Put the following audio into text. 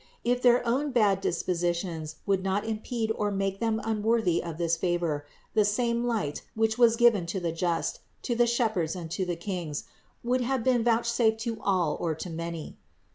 If their own bad dis positions would not impede or make them unworthy of this favor, the same light, which was given to the just, to the shepherds and to the kings, would have been vouchsafed to all or to many.